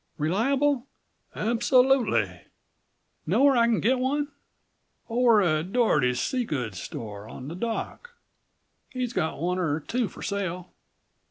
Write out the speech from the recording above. "Reliable?" "Absolutely." "Know where I can get one?" "Over at Dorrotey's sea goods store on the dock. He's got one er two for sale."